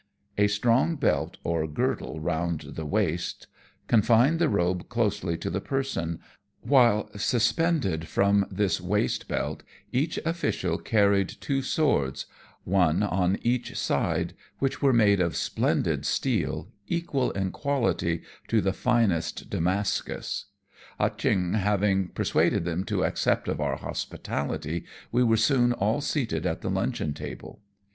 A strong belt or girdle round the waist confined the robe closely to the person, while, suspended from this waistbelt, each official carried two swords, one on each 144 AMONG TYPHOONS AND PIRATE CRAFT. side, which were made of splendid steel, equal in quality to the finest Damascus. Ah Cheong having persuaded them to accept of our hospitality, we were soon all seated at the luncheon table.